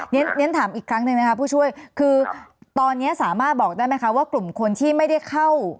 เรียนถามอีกครั้งหนึ่งนะคะผู้ช่วยคือตอนนี้สามารถบอกได้ไหมคะว่ากลุ่มคนที่ไม่ได้เข้า